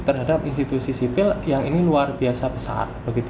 terhadap institusi sipil yang ini luar biasa besar